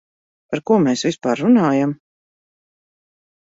Par ko mēs vispār runājam?